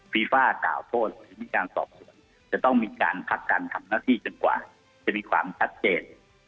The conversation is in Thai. ฟีฟ่ากล่าวโทษหรือมีการสอบสวนจะต้องมีการพักการทำหน้าที่จนกว่าจะมีความชัดเจน